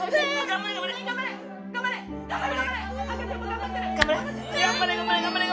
頑張れ！